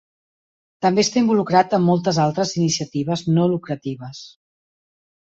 També està involucrat en moltes altres iniciatives no lucratives.